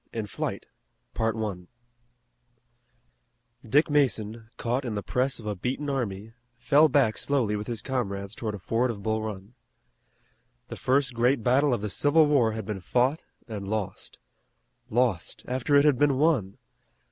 IN FLIGHT Dick Mason, caught in the press of a beaten army, fell back slowly with his comrades toward a ford of Bull Run. The first great battle of the Civil War had been fought and lost. Lost, after it had been won!